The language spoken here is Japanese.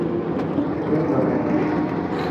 経営学を学ぶ